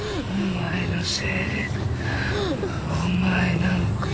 お前なんか。